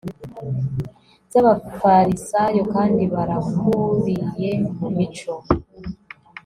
z'abafarisayo, kandi barakuriye mu mico